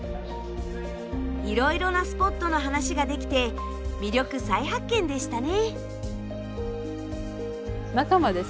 いろいろなスポットの話ができて魅力再発見でしたね。